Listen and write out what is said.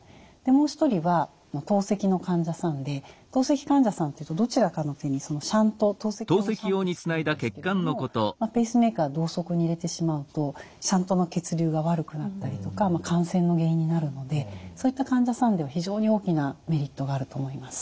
もう一人は透析の患者さんで透析患者さんってどちらかの手に透析用のシャント作るんですけれどもペースメーカー同側に入れてしまうとシャントの血流が悪くなったりとか感染の原因になるのでそういった患者さんでは非常に大きなメリットがあると思います。